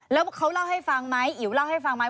แล้วเขาเล่าให้ฟังไหมอิ๋วเล่าให้ฟังไหม